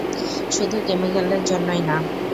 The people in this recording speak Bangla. শুধু কেমিকেলের জন্যই না।